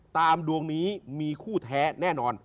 ดวงนี้มีคู่แท้แน่นอน